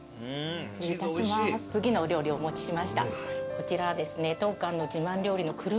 こちらですね。